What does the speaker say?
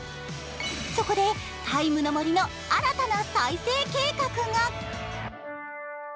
そこで「ＴＩＭＥ，の森」の新たな再生計画が。